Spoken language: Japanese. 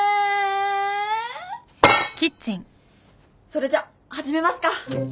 それじゃ始めますか。